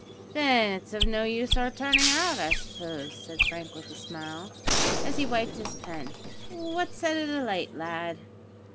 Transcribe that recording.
"Then it's of no use our turning out, I suppose?" said Frank with a smile, as he wiped his pen; "what set it alight, lad?"